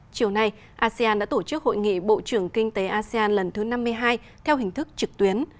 chiều nay asean đã tổ chức hội nghị bộ trưởng kinh tế asean lần thứ năm mươi hai theo hình thức trực tuyến